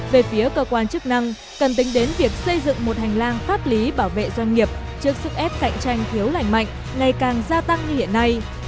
về phía cơ quan chức năng cần tính đến việc xây dựng một hành lang pháp lý bảo vệ doanh nghiệp trước sức ép cạnh tranh thiếu lành mạnh ngày càng gia tăng như hiện nay